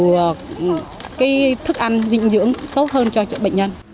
nhiều cái thức ăn dịnh dưỡng tốt hơn cho bệnh nhân